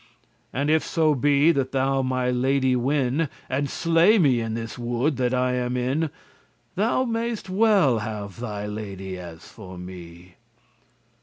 And if so be that thou my lady win, And slay me in this wood that I am in, Thou may'st well have thy lady as for me."